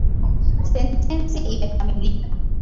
Sentensi imekamilika.